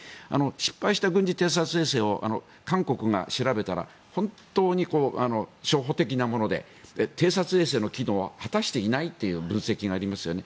失敗した軍事偵察衛星を韓国が調べたら本当に初歩的なもので偵察衛星の機能を果たしていないという分析がありますよね。